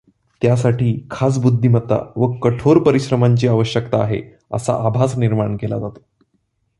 त्यासाठी खास बुध्दिमत्ता व कठोर परिश्रमांची आवश्यकता आहे, असा आभास निर्माण केला जातो.